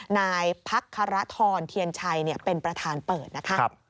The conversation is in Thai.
นายพักคารทรเทียนชัยเป็นประธานเปิดนะคะ